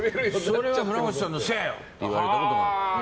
それは船越さんのせいだよ！って言われたこともある。